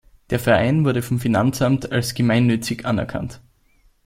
Der Verein wurde vom Finanzamt als gemeinnützig anerkannt.